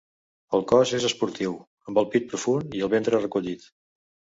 El cos és esportiu, amb el pit profund i el ventre recollit.